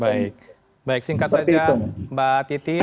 baik baik singkat saja mbak titi